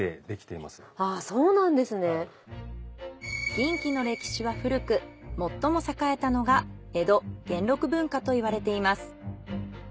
銀器の歴史は古く最も栄えたのが江戸元禄文化といわれています。